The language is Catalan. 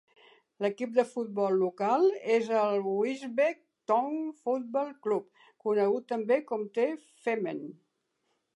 L'equip de futbol local és el Wisbech Town Football Club, conegut també com "The Fenmen".